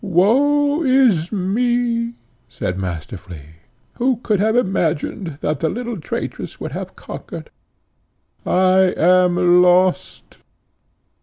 "Woe is me!" lisped Master Flea; "who could have imagined that the little traitress would have conquered? I am lost!"